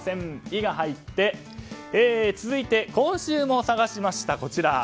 「イ」が入って続いて今週も探しました。